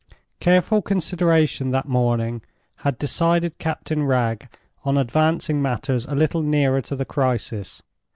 Careful consideration that morning had decided Captain Wragge on advancing matters a little nearer to the crisis.